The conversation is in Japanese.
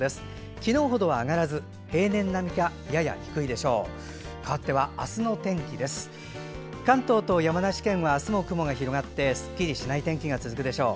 昨日ほどは上がらず平年並みか、やや低いでしょう。